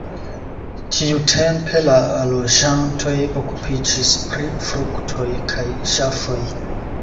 Tiutempe la loĝantoj okupiĝis pri fruktoj kaj ŝafoj.